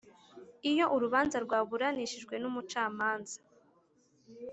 Iyo urubanza rwaburanishijwe n umucamanza